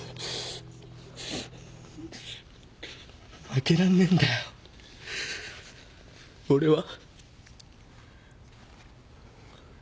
負けらんねえんだよ俺は。